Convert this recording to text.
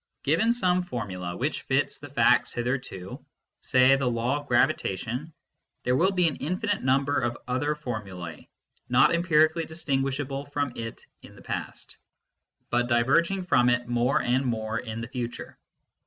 Given some formula which fits the facts hitherto say the law of gravitation there will be an infinite number of other formulae, not empirically dis tinguishable from it in the past, but diverging from it more and more in the future.